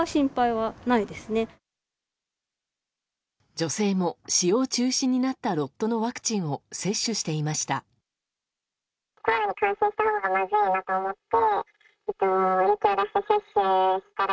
女性も使用中止になったロットのワクチンを接種していました。